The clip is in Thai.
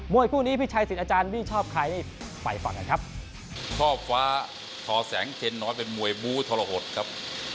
มวยคู่นี้พี่ชายสิทธิ์อาจารย์วิชอบใครไปฟังกันครับ